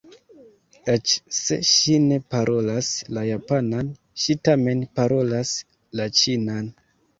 Eĉ se ŝi ne parolas la japanan, ŝi tamen parolas la ĉinan.